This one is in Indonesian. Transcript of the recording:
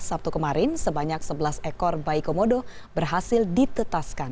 sabtu kemarin sebanyak sebelas ekor bayi komodo berhasil ditetaskan